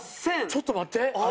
ちょっと待って！